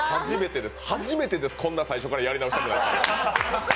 初めてです、こんな最初からやり直したくなるの。